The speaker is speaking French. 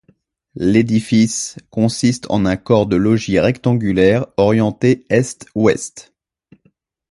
L'édifice consiste en un corps de logis rectangulaire orienté est-ouest.